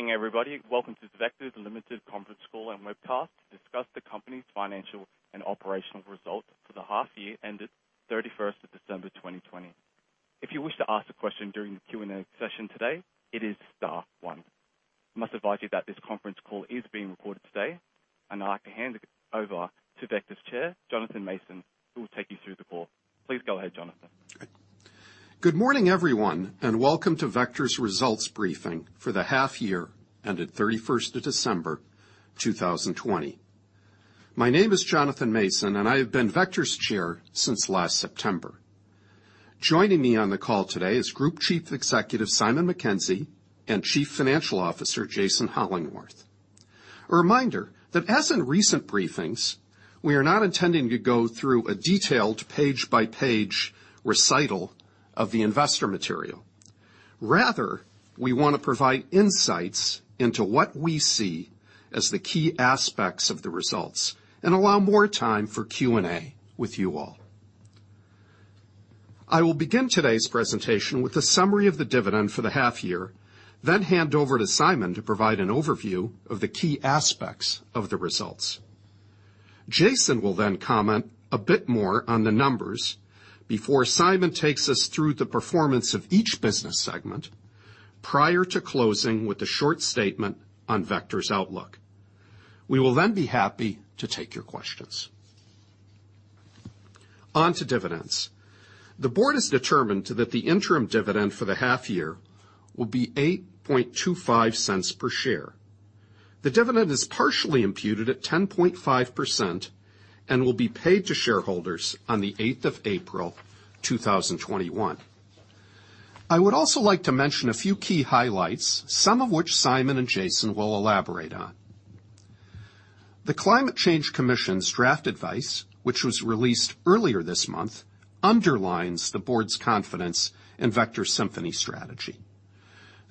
Morning, everybody. Welcome to Vector Limited's conference call and webcast to discuss the company's financial and operational results for the half year ended 31st of December 2020. If you wish to ask a question during the Q&A session today, it is star one. Must advise you that this conference call is being recorded today, and I'd like to hand it over to Vector's Chair, Jonathan Mason, who will take you through the call. Please go ahead, Jonathan. Good morning, everyone, and welcome to Vector's results briefing for the half year ended 31st of December 2020. My name is Jonathan Mason, and I have been Vector's Chair since last September. Joining me on the call today is Group Chief Executive, Simon Mackenzie, and Chief Financial Officer, Jason Hollingworth. A reminder that as in recent briefings, we are not intending to go through a detailed page-by-page recital of the investor material. Rather, we want to provide insights into what we see as the key aspects of the results and allow more time for Q&A with you all. I will begin today's presentation with a summary of the dividend for the half year, then hand over to Simon to provide an overview of the key aspects of the results. Jason will then comment a bit more on the numbers before Simon takes us through the performance of each business segment prior to closing with a short statement on Vector's outlook. We will then be happy to take your questions. On to dividends. The board has determined that the interim dividend for the half year will be 0.0825 per share. The dividend is partially imputed at 10.5% and will be paid to shareholders on the 8th of April 2021. I would also like to mention a few key highlights, some of which Simon and Jason will elaborate on. The Climate Change Commission's draft advice, which was released earlier this month, underlines the board's confidence in Vector's Symphony strategy.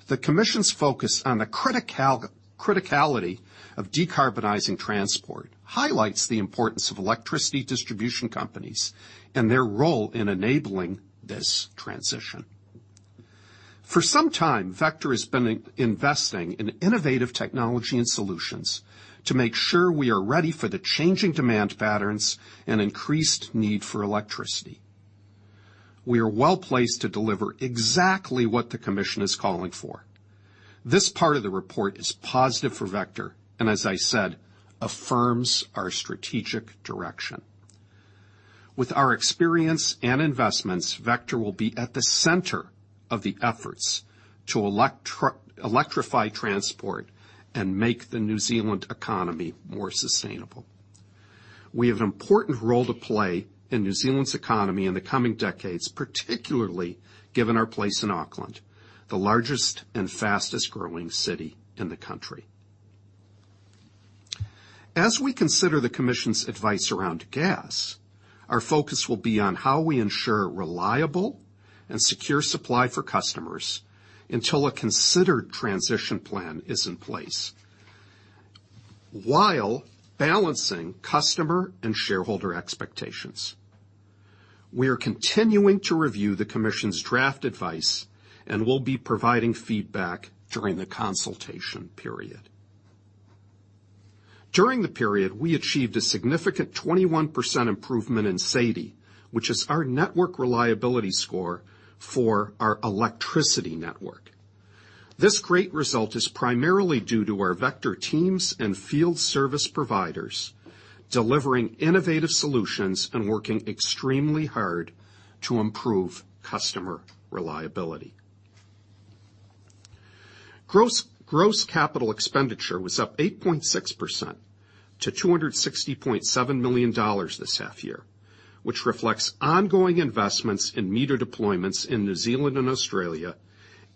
The Commission's focus on the criticality of decarbonizing transport highlights the importance of electricity distribution companies and their role in enabling this transition. For some time, Vector has been investing in innovative technology and solutions to make sure we are ready for the changing demand patterns and increased need for electricity. We are well-placed to deliver exactly what the Commission is calling for. This part of the report is positive for Vector and, as I said, affirms our strategic direction. With our experience and investments, Vector will be at the center of the efforts to electrify transport and make the New Zealand economy more sustainable. We have an important role to play in New Zealand's economy in the coming decades, particularly given our place in Auckland, the largest and fastest-growing city in the country. As we consider the Commission's advice around gas, our focus will be on how we ensure reliable and secure supply for customers until a considered transition plan is in place while balancing customer and shareholder expectations. We are continuing to review the Commission's draft advice and will be providing feedback during the consultation period. During the period, we achieved a significant 21% improvement in SAIDI, which is our network reliability score for our electricity network. This great result is primarily due to our Vector teams and field service providers delivering innovative solutions and working extremely hard to improve customer reliability. Gross capital expenditure was up 8.6% to 260.7 million dollars this half year, which reflects ongoing investments in meter deployments in New Zealand and Australia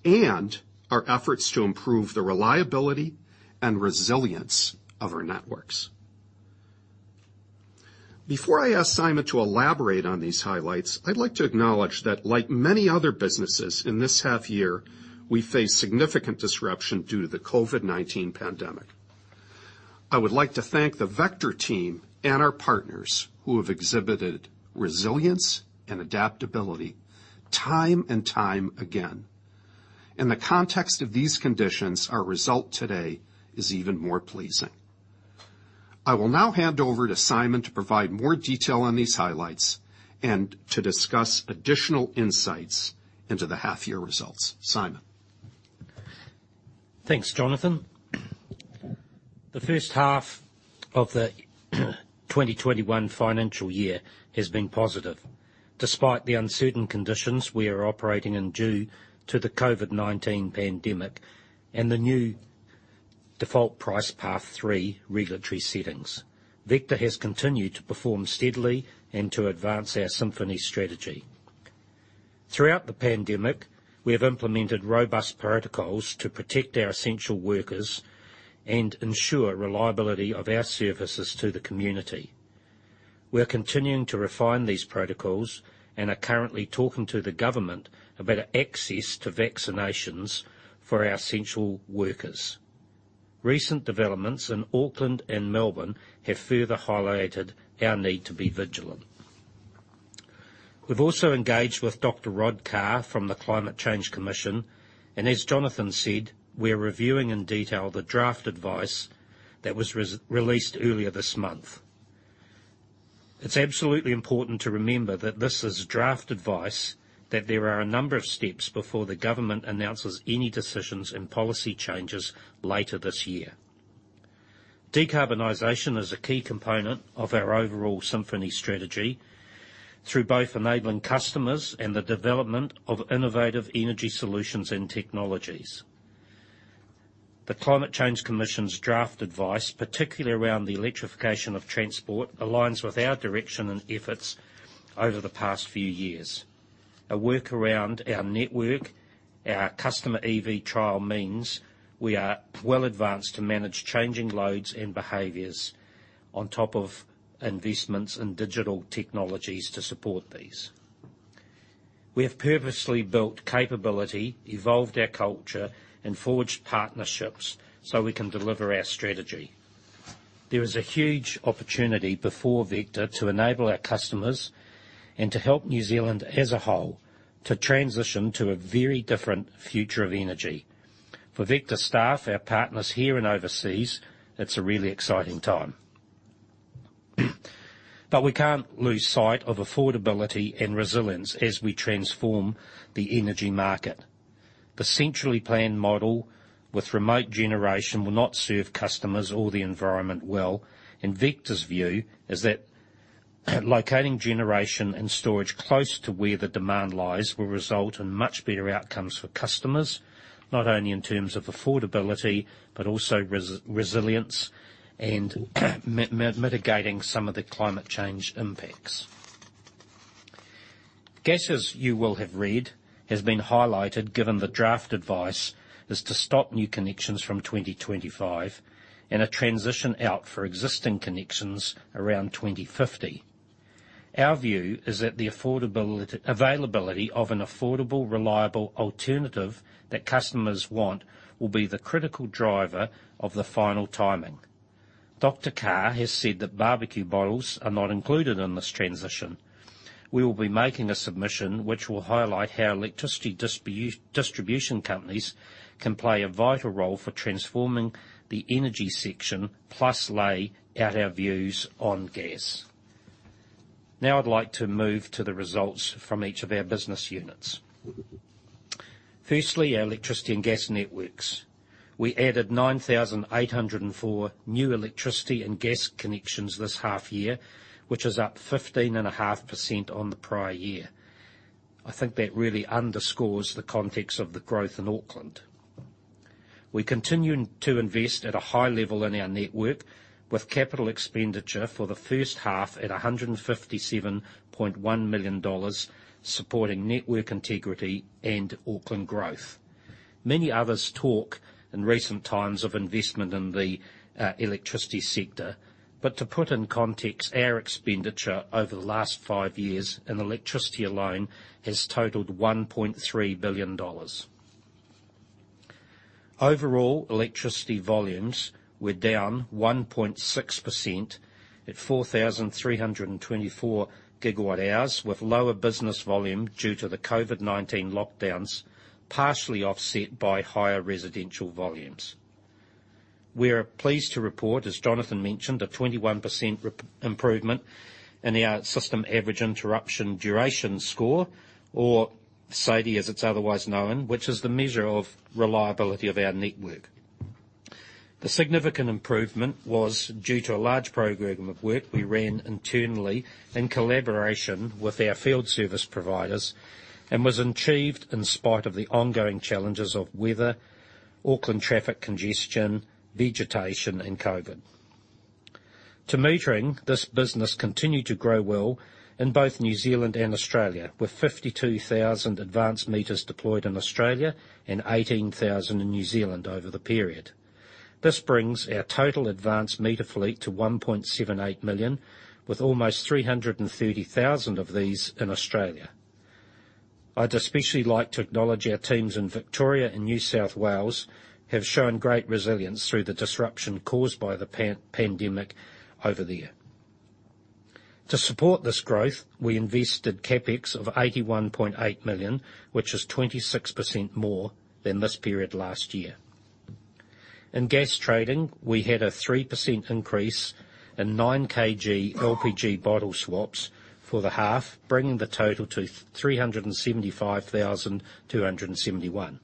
and our efforts to improve the reliability and resilience of our networks. Before I ask Simon to elaborate on these highlights, I'd like to acknowledge that like many other businesses in this half year, we faced significant disruption due to the COVID-19 pandemic. I would like to thank the Vector team and our partners who have exhibited resilience and adaptability time and time again. In the context of these conditions, our result today is even more pleasing. I will now hand over to Simon to provide more detail on these highlights and to discuss additional insights into the half year results. Simon. Thanks, Jonathan. The first half of the 2021 financial year has been positive. Despite the uncertain conditions we are operating in due to the COVID-19 pandemic and the new Default Price Path 3 regulatory settings, Vector has continued to perform steadily and to advance our Symphony strategy. Throughout the pandemic, we have implemented robust protocols to protect our essential workers and ensure reliability of our services to the community. We are continuing to refine these protocols and are currently talking to the government about access to vaccinations for our essential workers. Recent developments in Auckland and Melbourne have further highlighted our need to be vigilant. We've also engaged with Dr. Rod Carr from the Climate Change Commission, and as Jonathan said, we're reviewing in detail the draft advice that was released earlier this month. It's absolutely important to remember that this is draft advice, that there are a number of steps before the government announces any decisions and policy changes later this year. Decarbonization is a key component of our overall Symphony strategy through both enabling customers and the development of innovative energy solutions and technologies. The Climate Change Commission's draft advice, particularly around the electrification of transport, aligns with our direction and efforts over the past few years. A work around our network, our customer EV trial means we are well advanced to manage changing loads and behaviors on top of investments in digital technologies to support these. We have purposely built capability, evolved our culture and forged partnerships so we can deliver our strategy. There is a huge opportunity before Vector to enable our customers and to help New Zealand as a whole to transition to a very different future of energy. For Vector staff, our partners here and overseas, it's a really exciting time. We can't lose sight of affordability and resilience as we transform the energy market. The centrally planned model with remote generation will not serve customers or the environment well, and Vector's view is that locating generation and storage close to where the demand lies will result in much better outcomes for customers, not only in terms of affordability, but also resilience and mitigating some of the climate change impacts. Gas, as you will have read, has been highlighted given the draft advice is to stop new connections from 2025 and a transition out for existing connections around 2050. Our view is that the availability of an affordable, reliable alternative that customers want will be the critical driver of the final timing. Dr. Carr has said that barbecue bottles are not included in this transition. We will be making a submission which will highlight how electricity distribution companies can play a vital role for transforming the energy sector, plus lay out our views on gas. I'd like to move to the results from each of our business units. Firstly, our electricity and gas networks. We added 9,804 new electricity and gas connections this half year, which is up 15.5% on the prior year. I think that really underscores the context of the growth in Auckland. We continue to invest at a high level in our network, with capital expenditure for the first half at 157.1 million dollars supporting network integrity and Auckland growth. Many others talk in recent times of investment in the electricity sector, to put in context, our expenditure over the last five years in electricity alone has totaled 1.3 billion dollars. Overall, electricity volumes were down 1.6% at 4,324 GWh, with lower business volume due to the COVID-19 lockdowns, partially offset by higher residential volumes. We are pleased to report, as Jonathan mentioned, a 21% improvement in our system average interruption duration score, or SAIDI, as it's otherwise known, which is the measure of reliability of our network. The significant improvement was due to a large program of work we ran internally in collaboration with our field service providers and was achieved in spite of the ongoing challenges of weather, Auckland traffic congestion, vegetation, and COVID. To metering, this business continued to grow well in both New Zealand and Australia, with 52,000 advanced meters deployed in Australia and 18,000 in New Zealand over the period. This brings our total advanced meter fleet to 1.78 million, with almost 330,000 of these in Australia. I'd especially like to acknowledge our teams in Victoria and New South Wales have shown great resilience through the disruption caused by the pandemic over there. To support this growth, we invested CapEx of 81.8 million, which is 26% more than this period last year. In gas trading, we had a 3% increase in 9 kg LPG bottle swaps for the half, bringing the total to 375,271.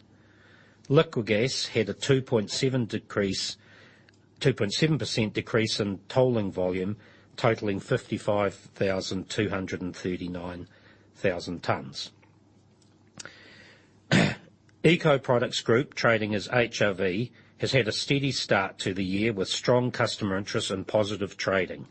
Liquigas had a 2.7% decrease in tolling volume, totaling 55,239 tons. Eco Products Group, trading as HRV, has had a steady start to the year with strong customer interest and positive trading.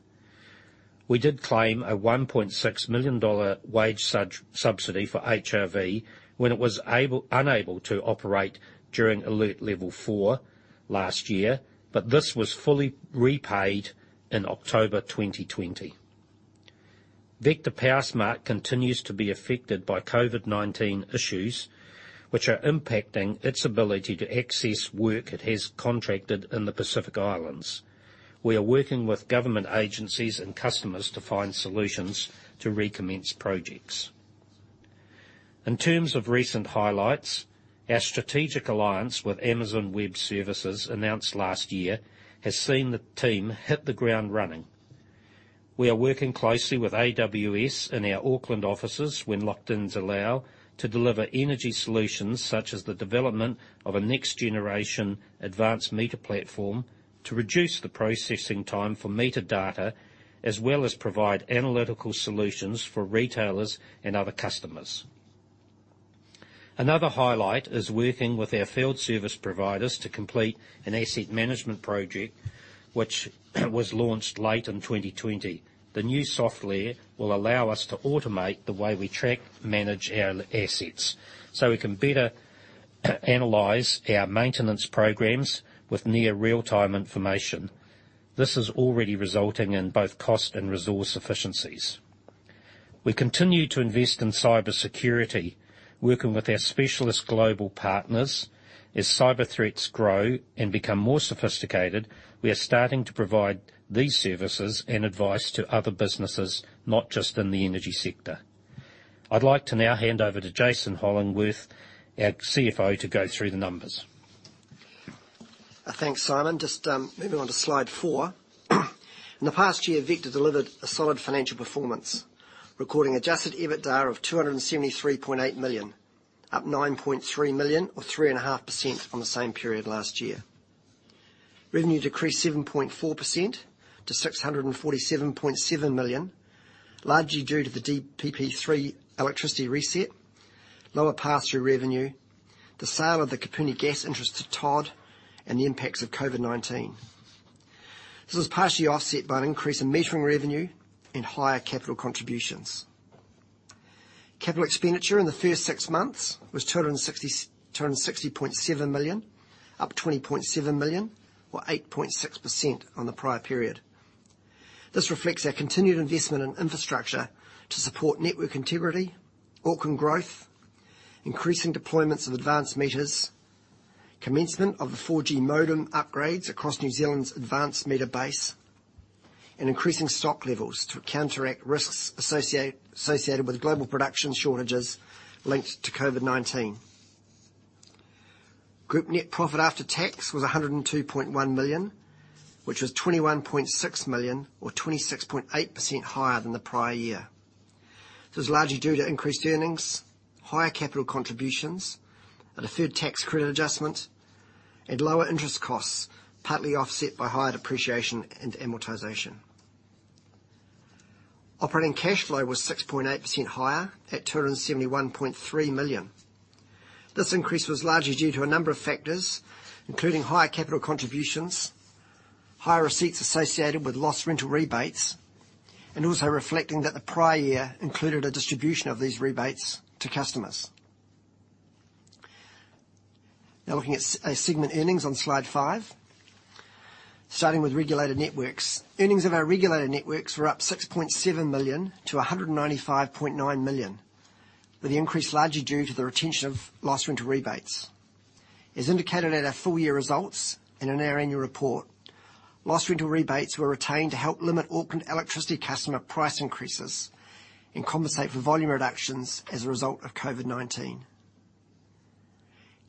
We did claim a 1.6 million dollar wage subsidy for HRV when it was unable to operate during alert level 4 last year, but this was fully repaid in October 2020. Vector Powersmart continues to be affected by COVID-19 issues, which are impacting its ability to access work it has contracted in the Pacific Islands. We are working with government agencies and customers to find solutions to recommence projects. In terms of recent highlights, our strategic alliance with Amazon Web Services announced last year has seen the team hit the ground running. We are working closely with AWS in our Auckland offices when lockdowns allow, to deliver energy solutions such as the development of a next generation advanced meter platform to reduce the processing time for meter data, as well as provide analytical solutions for retailers and other customers. Another highlight is working with our field service providers to complete an asset management project, which was launched late in 2020. The new software will allow us to automate the way we track, manage our assets, so we can better analyze our maintenance programs with near real-time information. This is already resulting in both cost and resource efficiencies. We continue to invest in cybersecurity, working with our specialist global partners. As cyber threats grow and become more sophisticated, we are starting to provide these services and advice to other businesses, not just in the energy sector. I'd like to now hand over to Jason Hollingworth, our CFO, to go through the numbers. Thanks, Simon. Just moving on to slide four. In the past year, Vector delivered a solid financial performance. Recording adjusted EBITDA of 273.8 million, up 9.3 million or 3.5% on the same period last year. Revenue decreased 7.4% to 647.7 million, largely due to the DPP3 electricity reset, lower pass-through revenue, the sale of the Kapuni gas interest to Todd, and the impacts of COVID-19. This was partially offset by an increase in metering revenue and higher capital contributions. Capital expenditure in the first six months was 260.7 million, up 20.7 million or 8.6% on the prior period. This reflects our continued investment in infrastructure to support network integrity, Auckland growth, increasing deployments of advanced meters, commencement of the 4G modem upgrades across New Zealand's advanced meter base, and increasing stock levels to counteract risks associated with global production shortages linked to COVID-19. Group net profit after tax was 102.1 million, which was 21.6 million or 26.8% higher than the prior year. This was largely due to increased earnings, higher capital contributions, a deferred tax credit adjustment, and lower interest costs, partly offset by higher depreciation and amortization. Operating cash flow was 6.8% higher at 271.3 million. This increase was largely due to a number of factors, including higher capital contributions, higher receipts associated with loss rental rebates, and also reflecting that the prior year included a distribution of these rebates to customers. Looking at segment earnings on slide five. Starting with regulated networks. Earnings of our regulated networks were up 6.7 million to 195.9 million, with the increase largely due to the retention of loss rental rebates. As indicated at our full year results and in our annual report, loss rental rebates were retained to help limit Auckland electricity customer price increases and compensate for volume reductions as a result of COVID-19.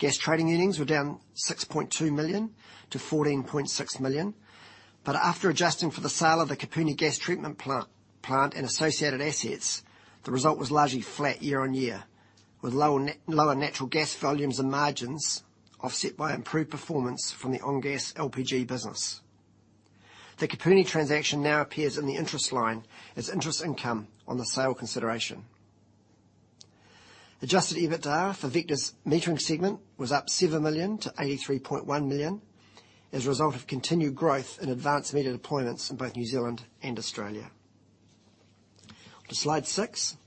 Gas trading earnings were down 6.2 million to 14.6 million, but after adjusting for the sale of the Kapuni gas treatment plant and associated assets, the result was largely flat year-on-year, with lower natural gas volumes and margins offset by improved performance from the Ongas LPG business. The Kapuni transaction now appears in the interest line as interest income on the sale consideration. Adjusted EBITDA for Vector's metering segment was up 7 million to 83.1 million as a result of continued growth in advanced meter deployments in both New Zealand and Australia. To slide six.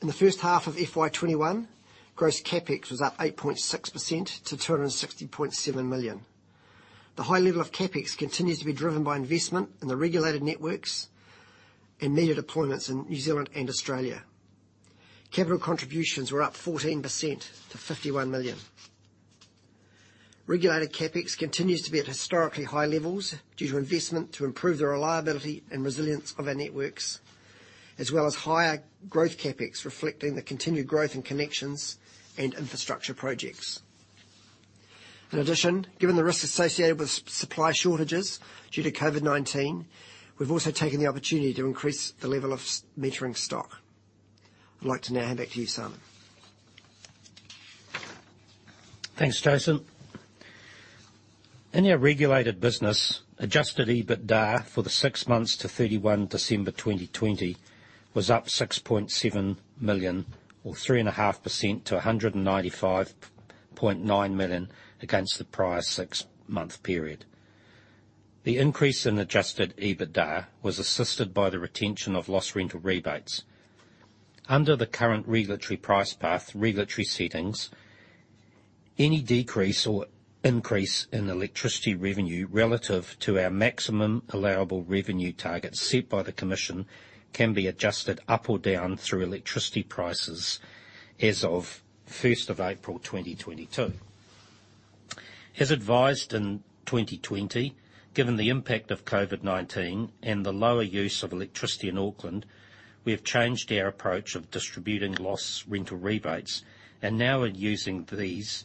In the first half of FY 2021, gross CapEx was up 8.6% to 260.7 million. The high level of CapEx continues to be driven by investment in the regulated networks and meter deployments in New Zealand and Australia. Capital contributions were up 14% to 51 million. Regulated CapEx continues to be at historically high levels due to investment to improve the reliability and resilience of our networks, as well as higher growth CapEx reflecting the continued growth in connections and infrastructure projects. In addition, given the risks associated with supply shortages due to COVID-19, we've also taken the opportunity to increase the level of metering stock. I'd like to now hand back to you, Simon. Thanks, Jason. In our regulated business, adjusted EBITDA for the six months to 31 December 2020 was up 6.7 million or 3.5% to 195.9 million against the prior six month period. The increase in adjusted EBITDA was assisted by the retention of loss rental rebates. Under the current regulatory price path regulatory settings, any decrease or increase in electricity revenue relative to our maximum allowable revenue target set by the Commission can be adjusted up or down through electricity prices as of 1st of April 2022. As advised in 2020, given the impact of COVID-19 and the lower use of electricity in Auckland, we have changed our approach of distributing loss rental rebates and now are using these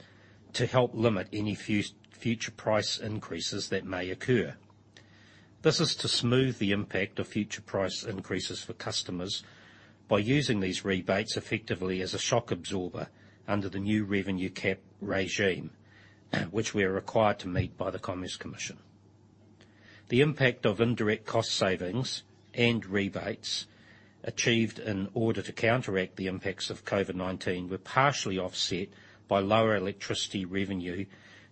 to help limit any future price increases that may occur. This is to smooth the impact of future price increases for customers by using these rebates effectively as a shock absorber under the new revenue cap regime, which we are required to meet by the Commerce Commission. The impact of indirect cost savings and rebates achieved in order to counteract the impacts of COVID-19 were partially offset by lower electricity revenue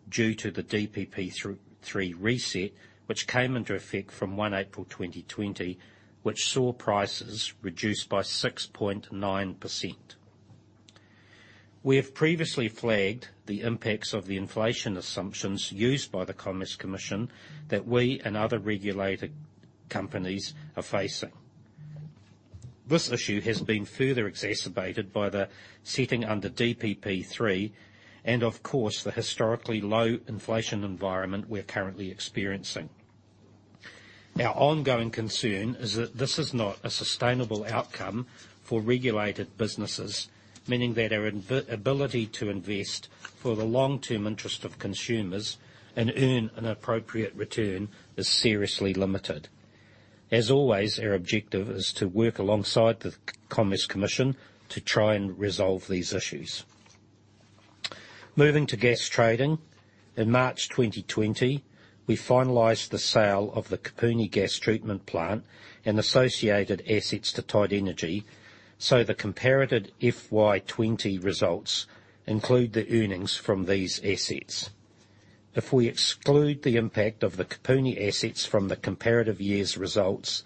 due to the DPP3 reset, which came into effect from 1 April 2020, which saw prices reduced by 6.9%. We have previously flagged the impacts of the inflation assumptions used by the Commerce Commission that we and other regulated companies are facing. This issue has been further exacerbated by the setting under DPP3 and of course, the historically low inflation environment we're currently experiencing. Our ongoing concern is that this is not a sustainable outcome for regulated businesses, meaning that our ability to invest for the long-term interest of consumers and earn an appropriate return is seriously limited. As always, our objective is to work alongside the Commerce Commission to try and resolve these issues. Moving to gas trading. In March 2020, we finalized the sale of the Kapuni gas treatment plant and associated assets to Todd Energy, so the comparative FY 2020 results include the earnings from these assets. If we exclude the impact of the Kapuni assets from the comparative year's results,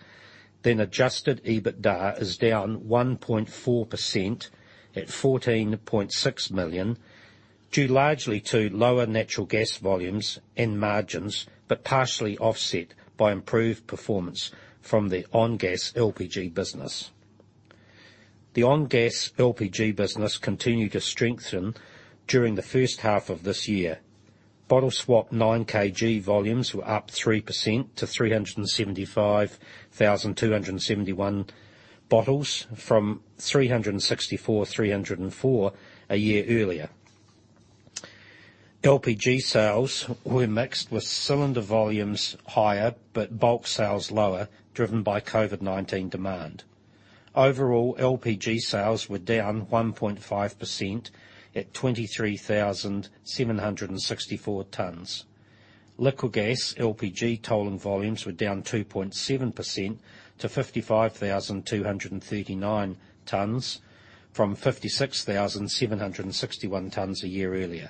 then adjusted EBITDA is down 1.4% at 14.6 million, due largely to lower natural gas volumes and margins, but partially offset by improved performance from the Ongas LPG business. The Ongas LPG business continued to strengthen during the first half of this year. Bottle swap 9 kg volumes were up 3% to 375,271 bottles from 364,304 a year earlier. LPG sales were mixed, with cylinder volumes higher, but bulk sales lower, driven by COVID-19 demand. Overall, LPG sales were down 1.5% at 23,764 tons. Liquigas, LPG tolling volumes were down 2.7% to 55,239 tons from 56,761 tons a year earlier.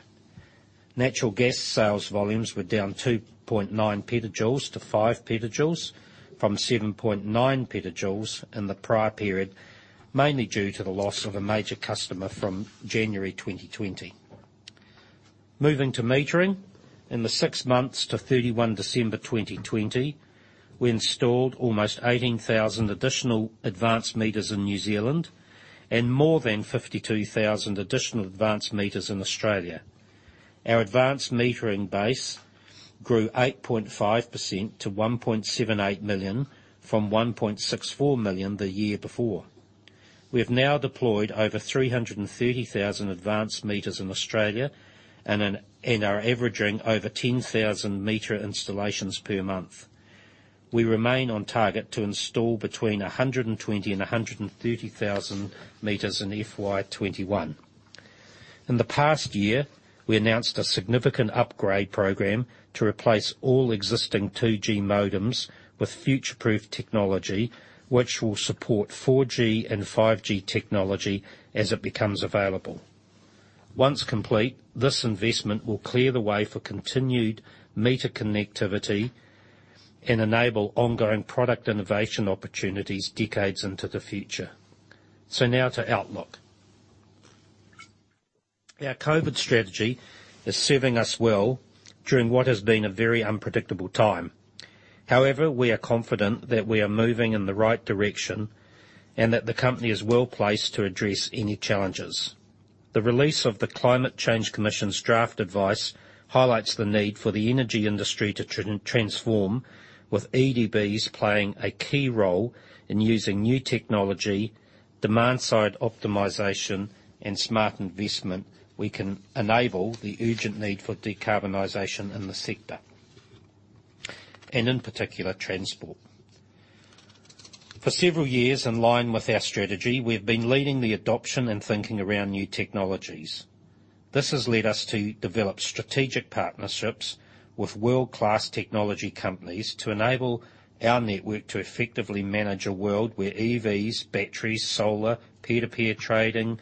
Natural gas sales volumes were down 2.9 PJ to 5 PJ from 7.9 PJ in the prior period, mainly due to the loss of a major customer from January 2020. Moving to metering. In the six months to 31 December 2020, we installed almost 18,000 additional advanced meters in New Zealand and more than 52,000 additional advanced meters in Australia. Our advanced metering base grew 8.5% to 1.78 million from 1.64 million the year before. We have now deployed over 330,000 advanced meters in Australia and are averaging over 10,000 m installations per month. We remain on target to install between 120,000 m-130,000 m in FY 2021. In the past year, we announced a significant upgrade program to replace all existing 2G modems with future-proof technology, which will support 4G and 5G technology as it becomes available. Once complete, this investment will clear the way for continued meter connectivity and enable ongoing product innovation opportunities decades into the future. Now to outlook. Our COVID strategy is serving us well during what has been a very unpredictable time. We are confident that we are moving in the right direction and that the company is well-placed to address any challenges. The release of the Climate Change Commission's draft advice highlights the need for the energy industry to transform, with EDBs playing a key role in using new technology, demand-side optimization, and smart investment, we can enable the urgent need for decarbonization in the sector, and in particular, transport. For several years, in line with our strategy, we've been leading the adoption and thinking around new technologies. This has led us to develop strategic partnerships with world-class technology companies to enable our network to effectively manage a world where EVs, batteries, solar, peer-to-peer trading,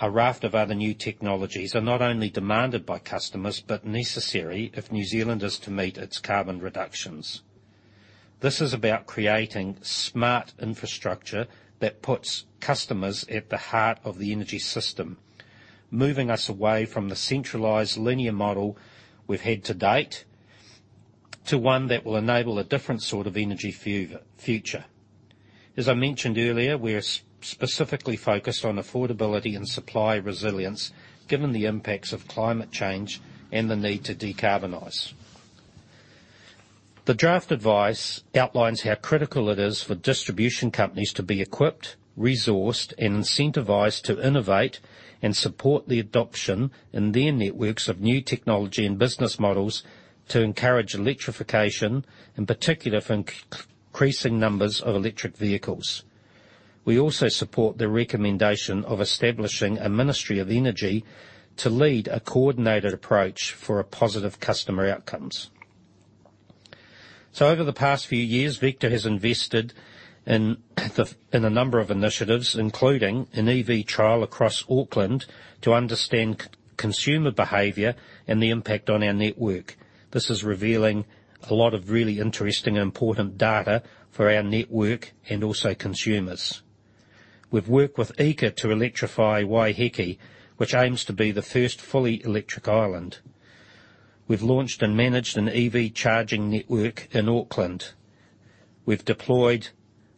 a raft of other new technologies are not only demanded by customers, but necessary if New Zealand is to meet its carbon reductions. This is about creating smart infrastructure that puts customers at the heart of the energy system, moving us away from the centralized linear model we've had to date to one that will enable a different sort of energy future. As I mentioned earlier, we are specifically focused on affordability and supply resilience given the impacts of climate change and the need to decarbonize. The draft advice outlines how critical it is for distribution companies to be equipped, resourced, and incentivized to innovate and support the adoption in their networks of new technology and business models to encourage electrification, in particular for increasing numbers of electric vehicles. We also support the recommendation of establishing a Ministry of Energy to lead a coordinated approach for positive customer outcomes. Over the past few years, Vector has invested in a number of initiatives, including an EV trial across Auckland to understand consumer behavior and the impact on our network. This is revealing a lot of really interesting and important data for our network and also consumers. We've worked with EECA to electrify Waiheke, which aims to be the first fully electric island. We've launched and managed an EV charging network in Auckland. We've deployed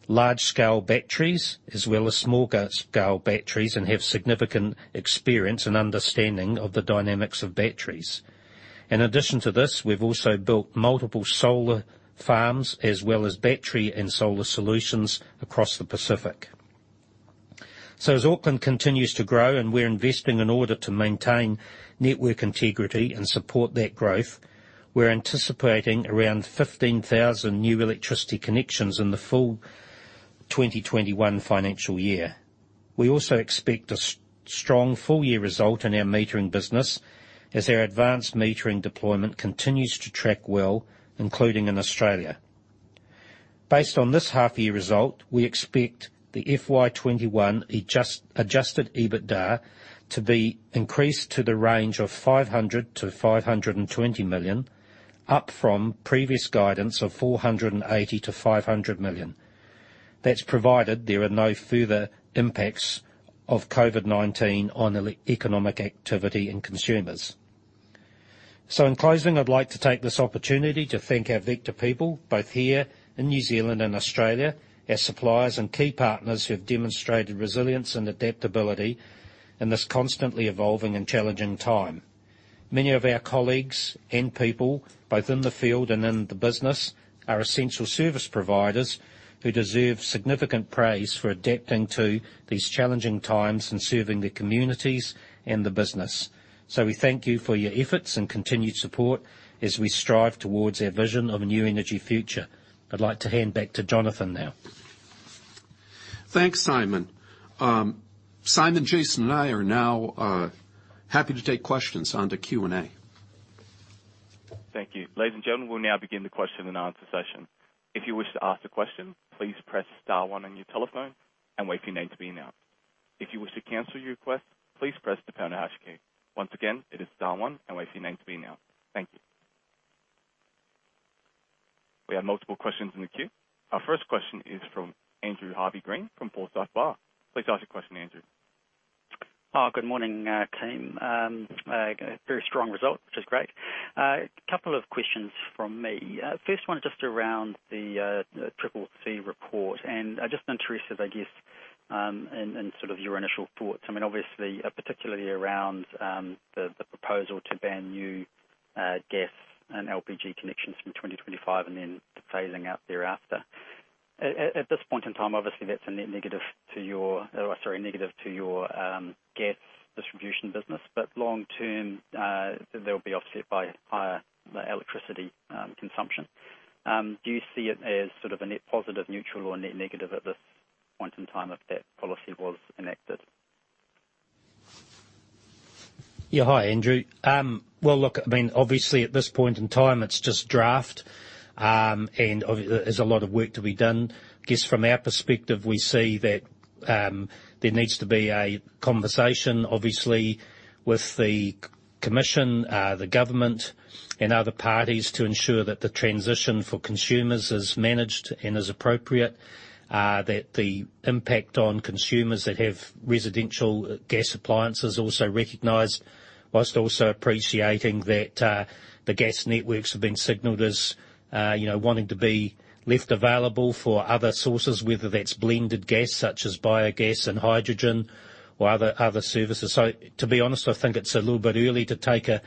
large-scale batteries as well as small-scale batteries and have significant experience and understanding of the dynamics of batteries. In addition to this, we've also built multiple solar farms as well as battery and solar solutions across the Pacific. As Auckland continues to grow, and we're investing in order to maintain network integrity and support that growth, we're anticipating around 15,000 new electricity connections in the full 2021 financial year. We also expect a strong full-year result in our metering business as our advanced metering deployment continues to track well, including in Australia. Based on this half-year result, we expect the FY 2021 adjusted EBITDA to be increased to the range of 500 million-520 million, up from previous guidance of 480 million-500 million. That's provided there are no further impacts of COVID-19 on economic activity and consumers. In closing, I'd like to take this opportunity to thank our Vector people, both here in New Zealand and Australia, our suppliers and key partners who have demonstrated resilience and adaptability in this constantly evolving and challenging time. Many of our colleagues and people, both in the field and in the business, are essential service providers who deserve significant praise for adapting to these challenging times and serving their communities and the business. We thank you for your efforts and continued support as we strive towards our vision of a new energy future. I'd like to hand back to Jonathan now. Thanks, Simon. Simon, Jason, and I are now happy to take questions on the Q&A. Thank you. Ladies and gentlemen, we'll now begin the question and answer session. If you wish to ask a question, please press star one on your telephone and wait for your name to be announced. If you wish to cancel your request, please press the pounder hash key. Once again, it is star one and wait for your name to be announced. Thank you. We have multiple questions in the queue. Our first question is from Andrew Harvey-Green from Forsyth Barr. Please ask your question, Andrew. Good morning, team. A very strong result, which is great. A couple of questions from me. First one just around the CCC report, and I'm just interested, I guess, in sort of your initial thoughts. I mean, obviously, particularly around the proposal to ban new gas and LPG connections from 2025 and then phasing out thereafter. At this point in time, obviously, that's a net negative to your gas distribution business, but long term, they'll be offset by higher electricity consumption. Do you see it as sort of a net positive, neutral or net negative at this point in time if that policy was enacted? Hi, Andrew. Well, look, I mean, obviously, at this point in time, it's just draft, and there's a lot of work to be done. I guess from our perspective, we see that there needs to be a conversation, obviously, with the commission, the government, and other parties to ensure that the transition for consumers is managed and is appropriate, that the impact on consumers that have residential gas appliances also recognized, whilst also appreciating that the gas networks have been signaled as wanting to be left available for other sources, whether that's blended gas, such as biogas and hydrogen or other services. To be honest, I think it's a little bit early to take a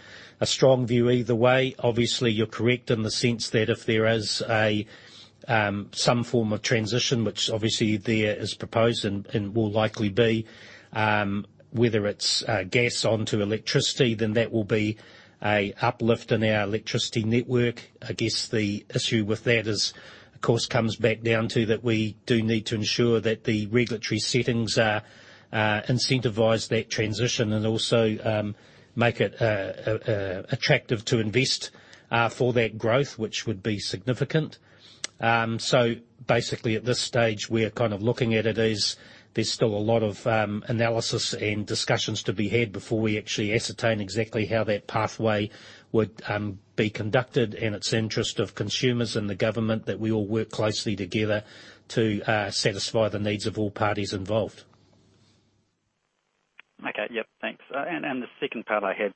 strong view either way. Obviously, you're correct in the sense that if there is some form of transition, which obviously there is proposed and will likely be, whether it's gas onto electricity, then that will be an uplift in our electricity network. I guess the issue with that is, of course, comes back down to that we do need to ensure that the regulatory settings incentivize that transition and also make it attractive to invest for that growth, which would be significant. Basically, at this stage, we are kind of looking at it as there's still a lot of analysis and discussions to be had before we actually ascertain exactly how that pathway would be conducted, and it's in interest of consumers and the government that we all work closely together to satisfy the needs of all parties involved. Okay. Yeah, thanks. The second part I had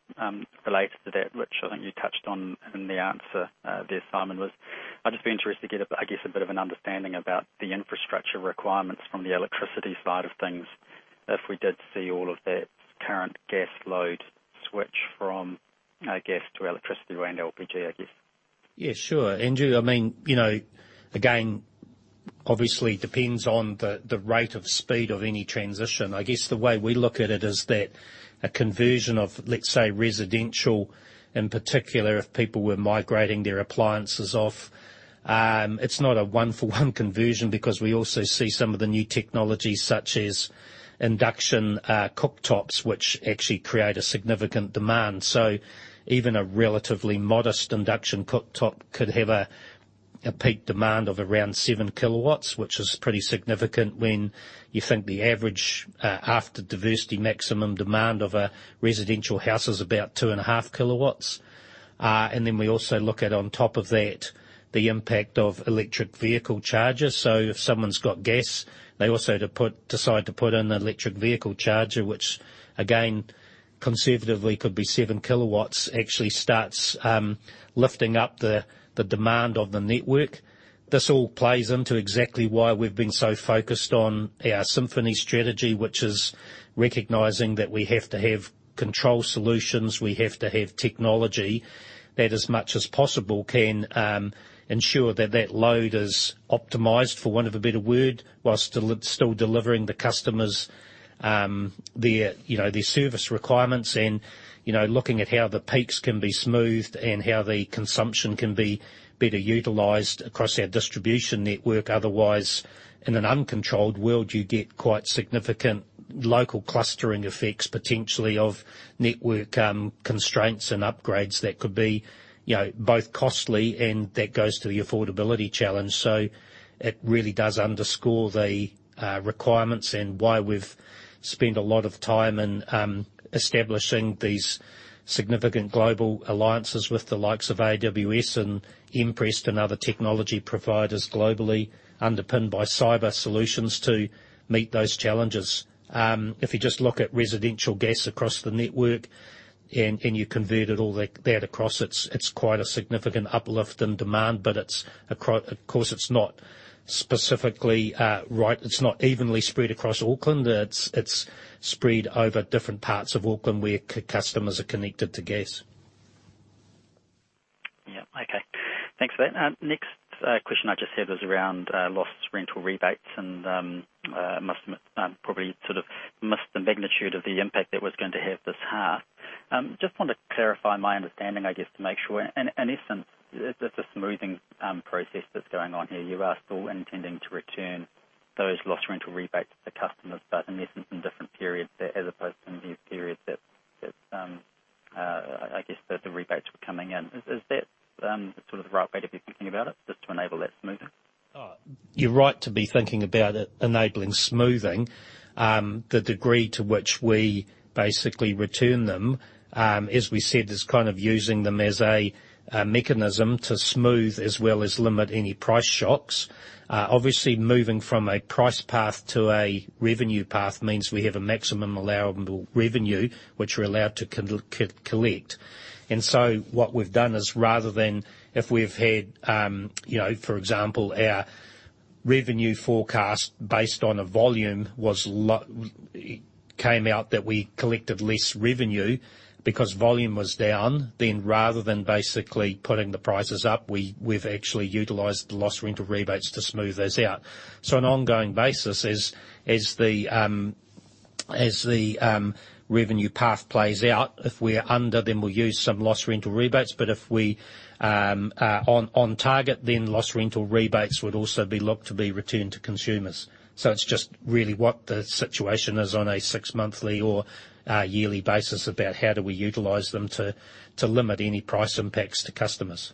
relates to that, which I think you touched on in the answer there, Simon, was I'd just be interested to get, I guess, a bit of an understanding about the infrastructure requirements from the electricity side of things if we did see all of that current gas load switch from gas to electricity and LPG, I guess. Yeah, sure. Andrew, again, obviously depends on the rate of speed of any transition. I guess the way we look at it is that a conversion of, let's say, residential, in particular, if people were migrating their appliances off, it's not a one-for-one conversion because we also see some of the new technologies such as induction cooktops, which actually create a significant demand. Even a relatively modest induction cooktop could have a peak demand of around 7 kW, which is pretty significant when you think the average, after diversity maximum demand of a residential house is about 2.5 kW. We also look at, on top of that, the impact of electric vehicle chargers. If someone's got gas, they also decide to put in an electric vehicle charger, which again, conservatively could be 7 kW, actually starts lifting up the demand of the network. This all plays into exactly why we've been so focused on our Symphony strategy, which is recognizing that we have to have control solutions, we have to have technology that as much as possible can ensure that that load is optimized, for want of a better word, while still delivering the customers their service requirements and looking at how the peaks can be smoothed and how the consumption can be better utilized across our distribution network. Otherwise, in an uncontrolled world, you get quite significant local clustering effects, potentially of network constraints and upgrades that could be both costly and that goes to the affordability challenge. It really does underscore the requirements and why we've spent a lot of time in establishing these significant global alliances with the likes of AWS and mPrest and other technology providers globally, underpinned by cyber solutions to meet those challenges. If you just look at residential gas across the network and you converted all that across, it's quite a significant uplift in demand. Of course, it's not evenly spread across Auckland. It's spread over different parts of Auckland where customers are connected to gas. Okay. Thanks for that. Next question I just have is around loss rental rebates and must probably sort of missed the magnitude of the impact that was going to have this half. Just want to clarify my understanding, I guess, to make sure. In essence, it's a smoothing process that's going on here. You are still intending to return those loss rental rebates to the customers, but in essence, in different periods as opposed to in these periods that, I guess, that the rebates were coming in. Is that the sort of the right way to be thinking about it, just to enable that smoothing? You're right to be thinking about it enabling smoothing. The degree to which we basically return them, as we said, is kind of using them as a mechanism to smooth as well as limit any price shocks. Obviously, moving from a price path to a revenue path means we have a maximum allowable revenue, which we're allowed to collect. What we've done is rather than if we've had, for example, our revenue forecast based on a volume came out that we collected less revenue because volume was down, then rather than basically putting the prices up, we've actually utilized the loss rental rebates to smooth those out. On an ongoing basis, as the revenue path plays out, if we're under, then we'll use some loss rental rebates, but if we are on target, then loss rental rebates would also be looked to be returned to consumers. It's just really what the situation is on a six-monthly or yearly basis about how do we utilize them to limit any price impacts to customers.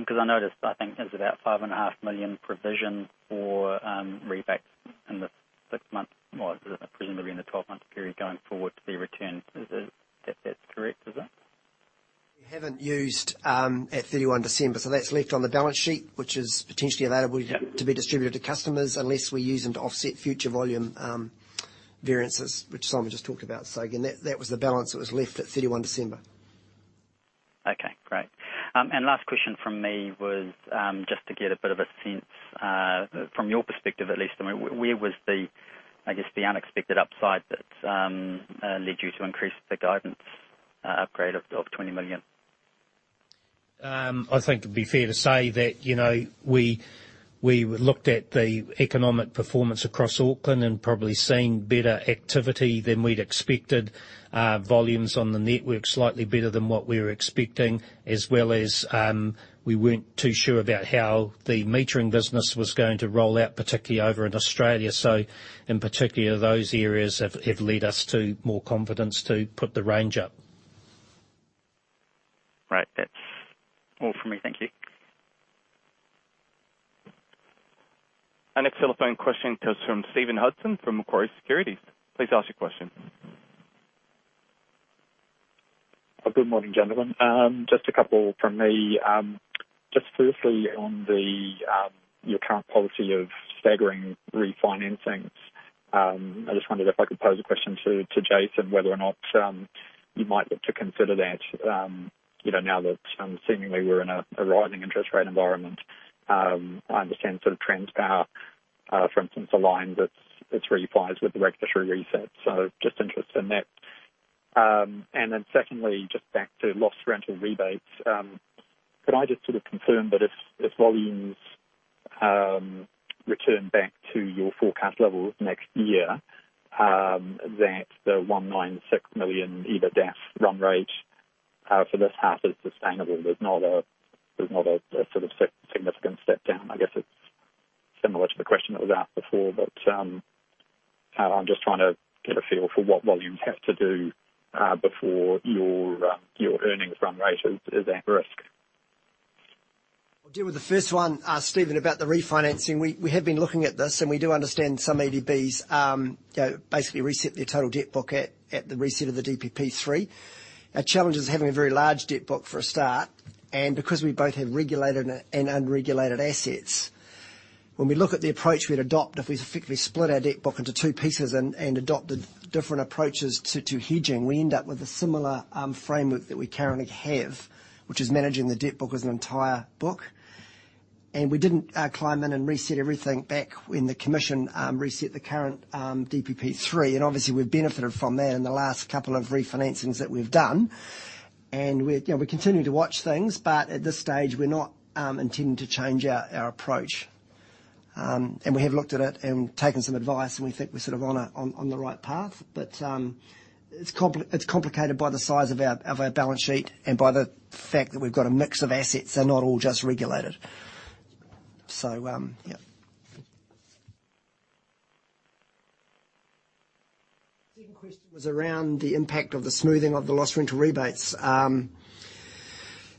I noticed, I think there's about 5.5 million provision for rebates in the six months, or presumably in the 12-month period going forward to be returned. That's correct, is it? We haven't used at 31 December, that's left on the balance sheet, which is potentially available. Yeah. To be distributed to customers unless we use them to offset future volume variances, which Simon just talked about. Again, that was the balance that was left at 31 December. Okay, great. Last question from me was just to get a bit of a sense, from your perspective at least, where was the, I guess, the unexpected upside that led you to increase the guidance upgrade of 20 million? I think it'd be fair to say that, we looked at the economic performance across Auckland and probably seeing better activity than we'd expected. Volumes on the network slightly better than what we were expecting, as well as, we weren't too sure about how the metering business was going to roll out, particularly over in Australia. In particular, those areas have led us to more confidence to put the range up. Right. That's all from me. Thank you. Our next telephone question comes from Stephen Hudson from Macquarie Securities. Please ask your question. Good morning, gentlemen. Just a couple from me. Just firstly, on your current policy of staggering refinancings, I just wondered if I could pose a question to Jason, whether or not you might look to consider that, now that seemingly we're in a rising interest rate environment. I understand Transpower, for instance, a line that's refis with regulatory resets, so just interested in that. Secondly, just back to loss rental rebates, could I just sort of confirm that if volumes return back to your forecast levels next year, that the 196 million EBITDA run rate for this half is sustainable? There's not a sort of significant step down. I guess it's similar to the question that was asked before, but I'm just trying to get a feel for what volumes have to do before your earnings run rate is at risk. I'll deal with the first one, Stephen, about the refinancing. We have been looking at this. We do understand some EDBs basically reset their total debt book at the reset of the DPP3. Our challenge is having a very large debt book, for a start, because we both have regulated and unregulated assets. When we look at the approach we'd adopt if we effectively split our debt book into two pieces and adopted different approaches to hedging, we end up with a similar framework that we currently have, which is managing the debt book as an entire book. We didn't climb in and reset everything back when the commission reset the current DPP3. Obviously we've benefited from that in the last couple of refinancings that we've done. We continue to watch things. At this stage, we're not intending to change our approach. We have looked at it and taken some advice, and we think we're sort of on the right path. It's complicated by the size of our balance sheet and by the fact that we've got a mix of assets and not all just regulated. Yeah. Second question was around the impact of the smoothing of the loss rental rebates.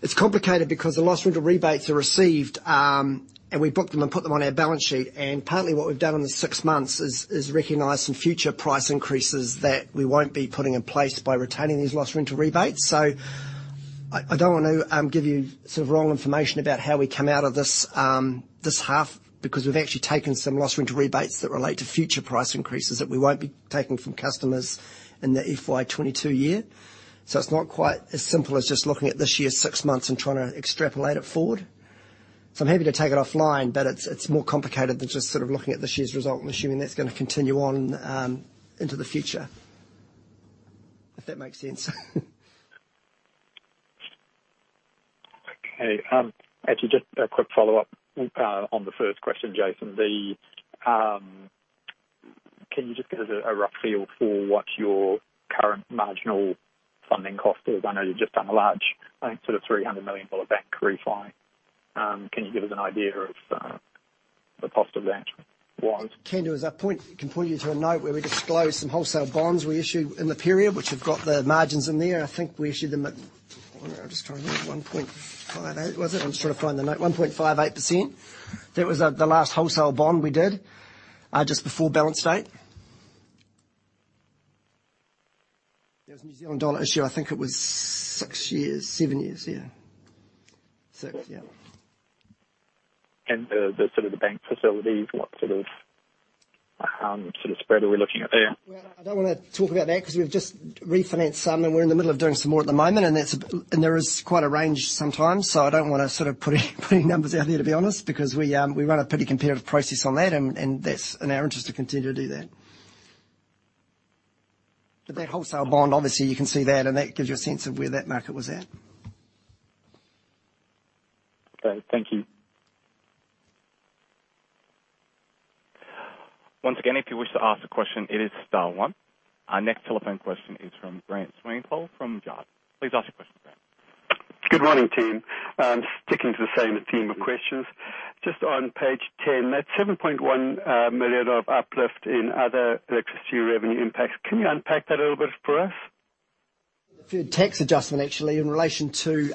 It's complicated because the loss rental rebates are received, and we book them and put them on our balance sheet. Partly what we've done in the six months is recognize some future price increases that we won't be putting in place by retaining these loss rental rebates. I don't want to give you sort of wrong information about how we come out of this half, because we've actually taken some loss rental rebates that relate to future price increases that we won't be taking from customers in the FY 2022 year. It's not quite as simple as just looking at this year's six months and trying to extrapolate it forward. I'm happy to take it offline, but it's more complicated than just sort of looking at this year's result and assuming that's going to continue on into the future. If that makes sense. Okay. Actually, just a quick follow-up on the first question, Jason. Can you just give us a rough feel for what your current marginal funding cost is? I know you've just done a large, I think sort of 300 million dollar bank refi. Can you give us an idea of the cost of that was? Can do. Can point you to a note where we disclose some wholesale bonds we issued in the period, which have got the margins in there. I think we issued them at, I'm just trying to remember, 1.58% was it? I'm just trying to find the note. 1.58%. That was the last wholesale bond we did, just before balance date. It was a New Zealand dollar issue. I think it was six years, seven years, yeah. Six, yeah. The sort of bank facilities, what sort of spread are we looking at there? Well, I don't want to talk about that because we've just refinanced some, and we're in the middle of doing some more at the moment, and there is quite a range sometimes. I don't want to sort of put any numbers out there, to be honest, because we run a pretty competitive process on that, and that's in our interest to continue to do that. That wholesale bond, obviously you can see that, and that gives you a sense of where that market was at. Okay, thank you. Once again, if you wish to ask a question, it is star one. Our next telephone question is from Grant Swanepoel from Jarden. Please ask your question, Grant. Good morning, team. Sticking to the same theme of questions. Just on page 10, that 7.1 million of uplift in other electricity revenue impacts. Can you unpack that a little bit for us? Deferred tax adjustment, actually, in relation to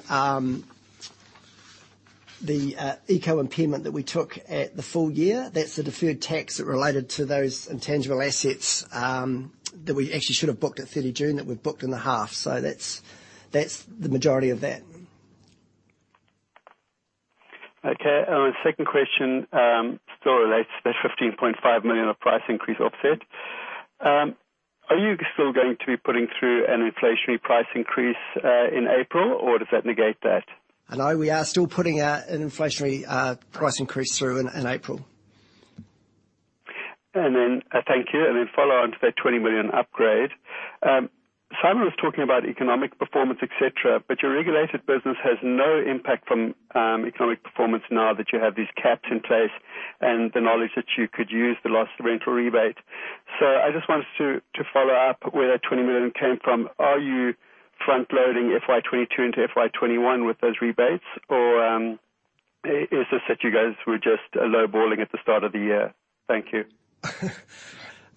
the Eco impairment that we took at the full year. That's the deferred tax that related to those intangible assets that we actually should have booked at 30 June that we've booked in the half. That's the majority of that. Okay. My second question still relates to that 15.5 million of price increase offset. Are you still going to be putting through an inflationary price increase in April, or does that negate that? No, we are still putting an inflationary price increase through in April. Thank you. Follow on to that 20 million upgrade. Simon was talking about economic performance, et cetera, but your regulated business has no impact from economic performance now that you have these caps in place and the knowledge that you could use the loss rental rebates. I just wanted to follow up where that 20 million came from. Are you front-loading FY 2022 into FY 2021 with those rebates, or is this that you guys were just lowballing at the start of the year? Thank you.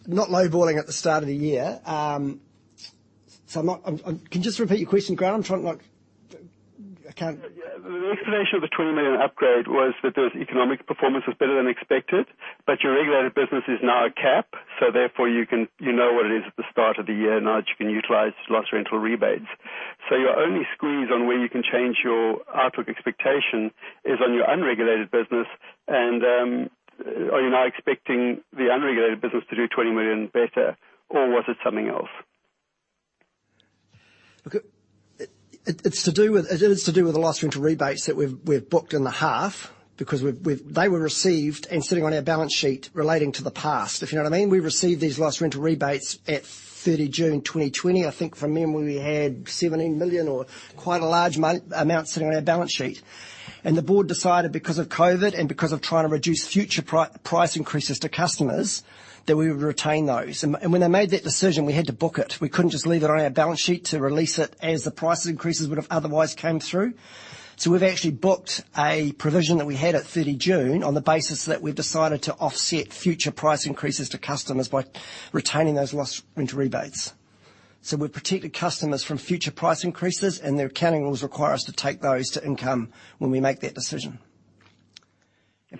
Not lowballing at the start of the year. Can you just repeat your question, Grant? The explanation of the 20 million upgrade was that the economic performance was better than expected, but your regulated business is now a cap, so therefore you know what it is at the start of the year. Now that you can utilize loss rental rebates. Your only squeeze on where you can change your outlook expectation is on your unregulated business and, are you now expecting the unregulated business to do 20 million better, or was it something else? It is to do with the loss rental rebates that we've booked in the half because they were received and sitting on our balance sheet relating to the past, if you know what I mean. We received these loss rental rebates at 30 June 2020. I think from then we had 17 million or quite a large amount sitting on our balance sheet. The board decided because of COVID and because of trying to reduce future price increases to customers, that we would retain those. When they made that decision, we had to book it. We couldn't just leave it on our balance sheet to release it as the price increases would've otherwise came through. We've actually booked a provision that we had at 30 June on the basis that we've decided to offset future price increases to customers by retaining those loss rental rebates. We've protected customers from future price increases, and the accounting rules require us to take those to income when we make that decision.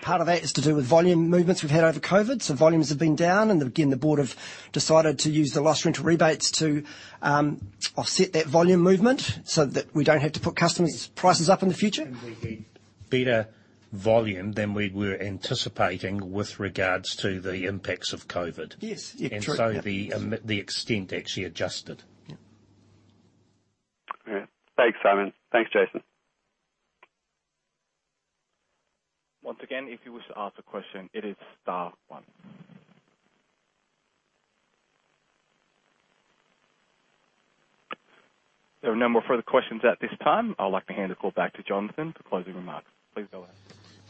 Part of that is to do with volume movements we've had over COVID. Volumes have been down, and again, the board have decided to use the loss rental rebates to offset that volume movement so that we don't have to put customers' prices up in the future. We had better volume than we were anticipating with regards to the impacts of COVID. Yes. True. The extent actually adjusted. Yeah. Thanks, Simon. Thanks, Jason. Once again, if you wish to ask a question, it is star one. There are no more further questions at this time. I'd like to hand the call back to Jonathan for closing remarks. Please go ahead.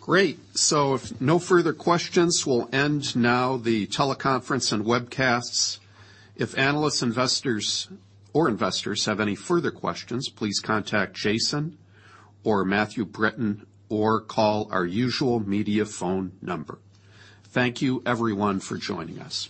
Great. If no further questions, we'll end now the teleconference and webcasts. If analysts or investors have any further questions, please contact Jason or Matthew Britton, or call our usual media phone number. Thank you everyone for joining us.